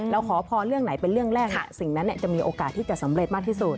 ขอพรเรื่องไหนเป็นเรื่องแรกสิ่งนั้นจะมีโอกาสที่จะสำเร็จมากที่สุด